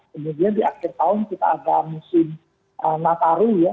kemudian di akhir tahun kita ada musim nataru ya